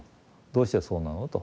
どうしてそうなのと。